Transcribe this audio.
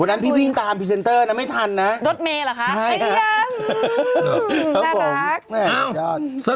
พวกนั้นพี่วิ่งตามพิเศนเตอร์นะไม่ทันนะรสเมล่ะคะใช่ค่ะน่ารัก